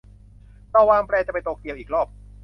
เราวางแพลนจะไปโตเกียวอีกรอบ